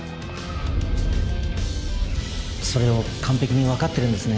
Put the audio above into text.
それを完璧にわかってるんですね